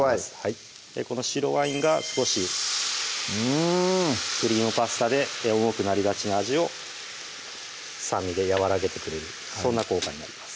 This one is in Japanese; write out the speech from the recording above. この白ワインが少しうんクリームパスタで重くなりがちな味を酸味で和らげてくれるそんな効果になります